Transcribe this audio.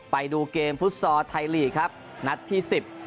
ไปดูเกมฟุตซอร์ไทยลีกครับนัดที่สิบ